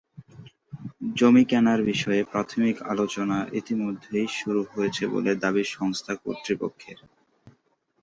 জমি কেনার বিষয়ে প্রাথমিক আলোচনা ইতিমধ্যেই শুরু হয়েছে বলে দাবি সংস্থা কর্তৃপক্ষের।